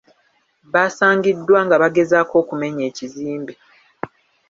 Basangiddwa nga bagezaako okumenya ekizimbe.